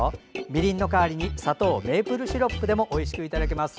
みりんの代わりに砂糖、メープルシロップでもおいしくいただけます。